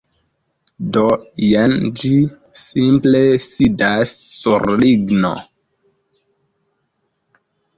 Do, jen ĝi simple sidas sur ligno